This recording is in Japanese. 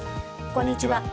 こんにちは。